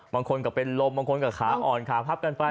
บางคนก็เป็นลมบางคนก็ขาอ่อนขาพับกันไป